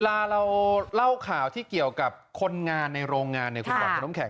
ลาเราเล่าข่าวที่เกี่ยวกับคนงานในโรงงานในขุมกวัดขนมแข็ง